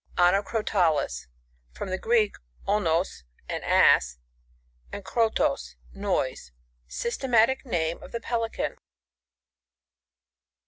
Onocrotalus. — From the Grreek ono«, an ass, and Arotos, noise. Syste malic name of the Pelican.